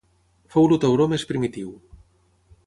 Fou el tauró més primitiu.